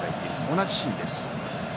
同じシーンです。